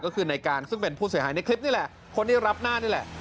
ก็คือในการซึ่งเป็นผู้เสียหายในคลิปนี่แหละคนที่รับหน้านี่แหละ